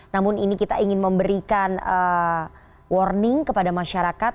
namun ini kita ingin memberikan warning kepada masyarakat